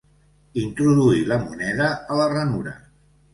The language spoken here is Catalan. Introduí la moneda a la ranura.